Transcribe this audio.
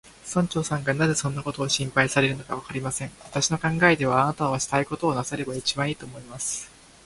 村長さんがなぜそんなことを心配されるのか、わかりません。私の考えでは、あなたはしたいことをなさればいちばんいい、と思います。